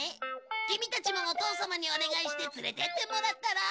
キミたちもお父様にお願いして連れてってもらったら？